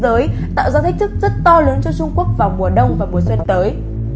nó sẽ tạo ra thách thức rất to lớn cho trung quốc vào mùa đông và mùa xuân tới